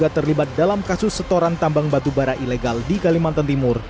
terlibat dalam kasus setoran tambang batubara ilegal di kalimantan timur